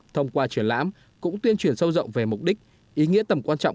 thông qua triển lãm cũng tuyên truyền sâu rộng về mục đích ý nghĩa tầm quan trọng